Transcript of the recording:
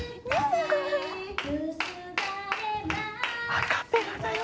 アカペラだよ。